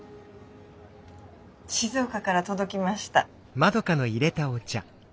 静岡から届きました。